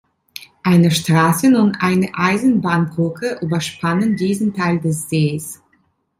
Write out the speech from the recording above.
Eine Straßen- und eine Eisenbahnbrücke überspannen diesen Teil des Sees.